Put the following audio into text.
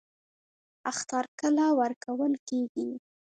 اخطار کله ورکول کیږي؟